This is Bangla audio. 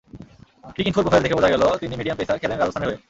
ক্রিকইনফোর প্রোফাইল দেখে বোঝা গেল, তিনি মিডিয়াম পেসার, খেলেন রাজস্থানের হয়ে।